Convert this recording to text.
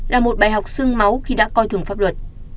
là một bài học sương máu khi đã coi thường pháp luật